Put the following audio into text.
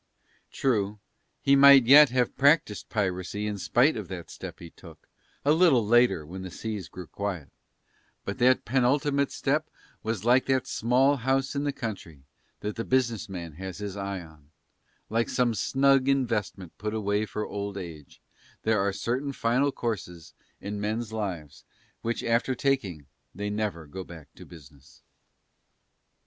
True he might yet have practised piracy in spite of the step that he took, a little later when the seas grew quiet, but that penultimate step was like that small house in the country that the business man has his eye on, like some snug investment put away for old age, there are certain final courses in men's lives which after taking they never go back to business.